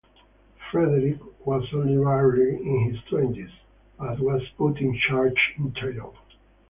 Frederick was only barely in his twenties, but was put in charge in Tyrol.